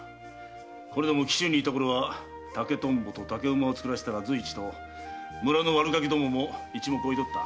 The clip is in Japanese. これでも紀州にいたころは竹トンボと竹馬を作らせたら随一と村の悪ガキどもも一目おいておった。